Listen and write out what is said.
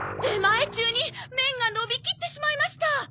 出前中に麺が伸びきってしまいました。